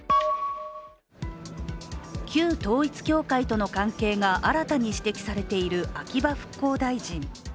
旧統一教会との関係が新たに指摘されている秋葉復興大臣。